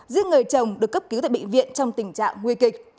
giết người chồng được cấp cứu tại bệnh viện trong tình trạng nguy kịch